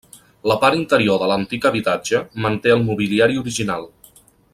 La part interior de l'antic habitatge manté el mobiliari original.